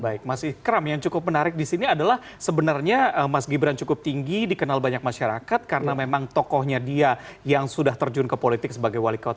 baik mas ikram yang cukup menarik di sini adalah sebenarnya mas gibran cukup tinggi dikenal banyak masyarakat karena memang tokohnya dia yang sudah terjun ke politik sebagai wali kota